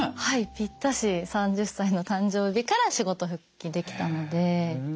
はいぴったし３０歳の誕生日から仕事復帰できたので。